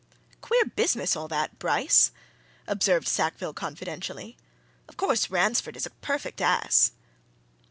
"Queer business, all that, Bryce!" observed Sackville confidentially. "Of course, Ransford is a perfect ass!"